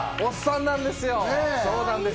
『おっさん』なんですよ。